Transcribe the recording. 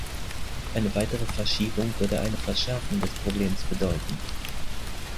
Eine weitere Verschiebung würde eine Verschärfung des Problems bedeuten.